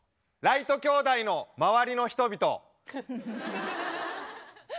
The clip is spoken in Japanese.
「ライト兄弟の周りの人々」。